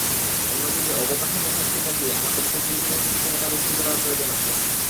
অন্যদিকে অবকাঠামো ঘাটতি কাটিয়ে আমাদের প্রতিযোগিতা সক্ষমতা বৃদ্ধি করার প্রয়োজন আছে।